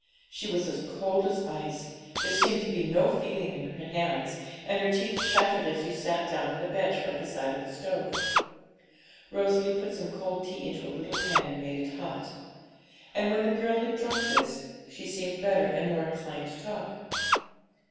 She was as cold as ice; there seemed to be no feeling in her hands, and her teeth chattered as she sat down on the bench by the side of the stove. Rosalie put some cold tea into a little pan and made it hot. And when the girl had drunk this, she seemed better, and more inclined to talk.